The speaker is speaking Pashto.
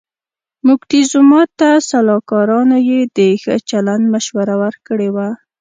موکتیزوما ته سلاکارانو یې د ښه چلند مشوره ورکړې وه.